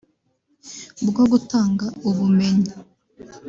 bwo gutanga ubumenyi